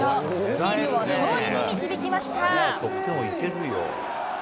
チームを勝利に導きました。